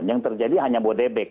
jadi yang terjadi hanya buat debek